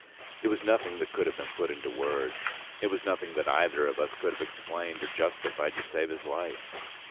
It was nothing that could have been put into words. It was nothing that either of us could have explained or justified, to save his life.